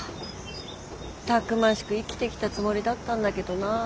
たくましく生きてきたつもりだったんだけどなあ。